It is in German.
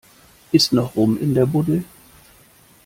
Ist noch Rum in der Buddel?